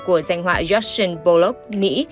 của danh họa justin bullock mỹ